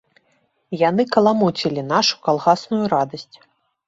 Яны каламуцілі нашу калгасную радасць.